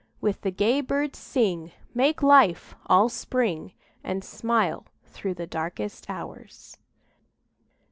With the gay birds sing, Make life all Spring, And smile through the darkest hours.